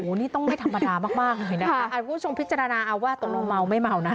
โหนี่ต้องไม่ธรรมดามากบ้างหน่อยนะคะค่ะอาจผู้ชมพิจารณาเอาว่าตรงลงเมาไม่เมานะ